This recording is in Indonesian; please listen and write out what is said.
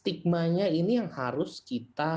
stigma nya ini yang harus kita buat sama sama